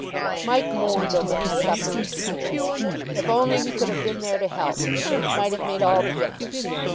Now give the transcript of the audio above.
Mike mourned over his suffering school. If only he could have been there to help. It might have made all the difference.